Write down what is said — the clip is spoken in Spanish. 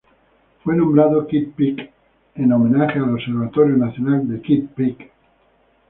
Fue nombrado Kitt Peak en homenaje al Observatorio Nacional de Kitt Peak.